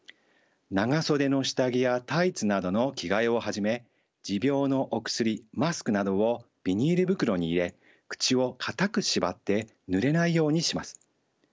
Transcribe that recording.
長袖の下着やタイツなどの着替えをはじめ持病のお薬マスクなどをビニール袋に入れ口を固く縛ってぬれないようにします。